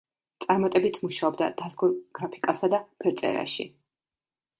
წარმატებით მუშაობდა დაზგურ გრაფიკასა და ფერწერაში.